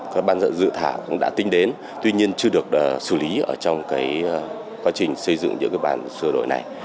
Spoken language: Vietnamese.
các bản dự thảo đã tinh đến tuy nhiên chưa được xử lý trong quá trình xây dựng những bản sửa đổi này